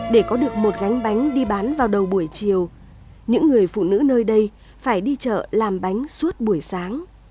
để có được một gánh bánh đi bán vào đầu buổi chiều những người phụ nữ nơi đây phải đi chợ làm bánh suốt buổi sáng